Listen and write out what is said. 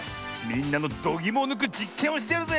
みんなのどぎもをぬくじっけんをしてやるぜ！